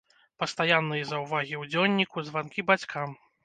Пастаянныя заўвагі ў дзённіку, званкі бацькам.